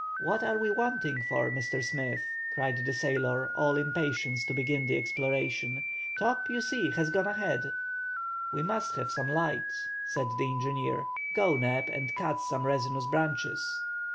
"What are we waiting for, Mr. Smith," cried the sailor, all impatience to begin the exploration, "Top, you see, has gone ahead!" "We must have some light," said the engineer. "Go, Neb, and cut some resinous branches."